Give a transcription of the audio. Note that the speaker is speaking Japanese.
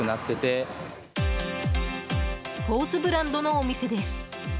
スポーツブランドのお店です。